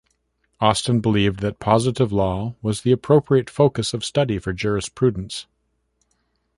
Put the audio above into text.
Austin believed that positive law was the appropriate focus of study for jurisprudence.